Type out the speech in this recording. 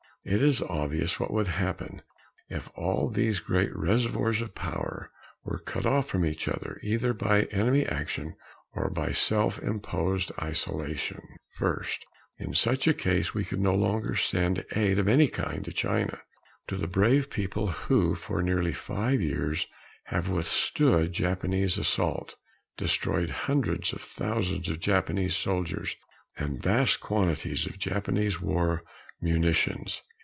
It is obvious what would happen if all of these great reservoirs of power were cut off from each other either by enemy action or by self imposed isolation: First, in such a case, we could no longer send aid of any kind to China to the brave people who, for nearly five years, have withstood Japanese assault, destroyed hundreds of thousands of Japanese soldiers and vast quantities of Japanese war munitions.